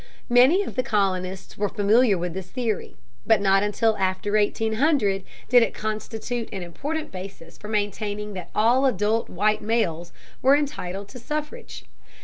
Many of the colonists were familiar with this theory, but not until after 1800 did it constitute an important basis for maintaining that all adult white males were entitled to the suffrage.